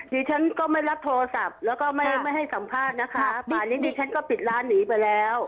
ดิฉันก็ไม่รับโทรศัพท์แล้วก็ไม่ไม่ให้สัมภาษณ์นะคะป่านี้ดิฉันก็ปิดร้านหนีไปแล้ว